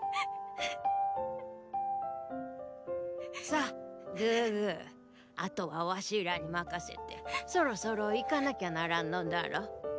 さあグーグーあとはワシらに任せてそろそろ行かなきゃならんのだろう？